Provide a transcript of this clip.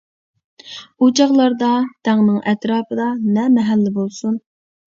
ئۇ چاغلاردا دەڭنىڭ ئەتراپىدا نە مەھەللە بولسۇن.